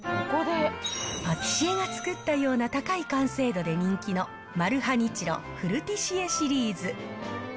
パティシエが作ったような高い完成度で人気のマルハニチロフルティシエシリーズ。